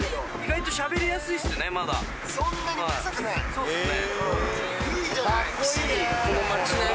そうっすね。